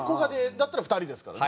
だったら２人ですからね。